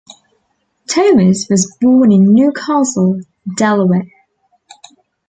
Thomas was born in New Castle, Delaware.